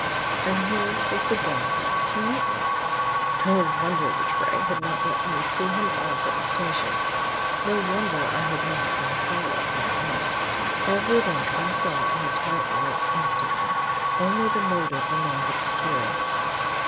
And here was the gang of them, to meet me! No wonder Rattray had not let me see him off at the station; no wonder I had not been followed that night. Every link I saw in its right light instantly. Only the motive remained obscure.